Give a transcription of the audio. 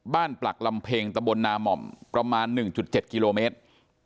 ปลักลำเพ็งตะบลนาม่อมประมาณ๑๗กิโลเมตร